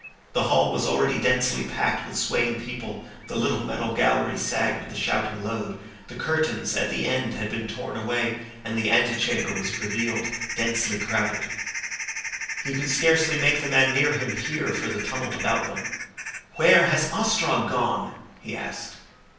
The hall was already densely packed with swaying people, the little metal gallery sagged with a shouting load, the curtains at the end had been torn away, and the antechamber was revealed densely crowded. He could scarcely make the man near him hear for the tumult about them. "Where has Ostrog gone?" he asked.